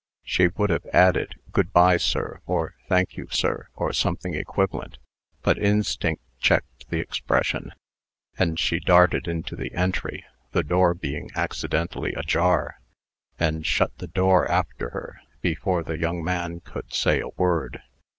She would have added, "Good by, sir," or "Thank you, sir," or something equivalent, but instinct checked the expression, and she darted into the entry (the door being accidentally ajar), and shut the door after her, before the young man could say a word.